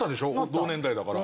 同年代だから。